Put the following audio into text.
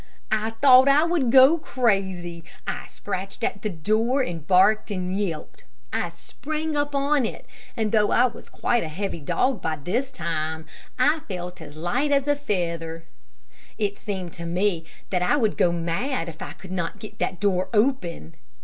I thought I would go crazy. I scratched at the door, and barked and yelped. I sprang up on it, and though I was quite a heavy dog by this time, I felt as light as a feather. It seemed to me that I would go mad if I could not get that door open.